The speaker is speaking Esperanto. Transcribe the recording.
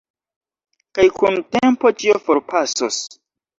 Kaj kun tempo ĉio forpasos.